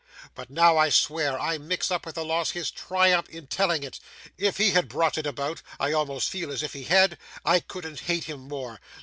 But now, I swear, I mix up with the loss, his triumph in telling it. If he had brought it about, I almost feel as if he had, I couldn't hate him more.